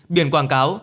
biển quảng cáo